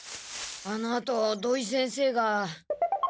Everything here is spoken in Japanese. あのあと土井先生が。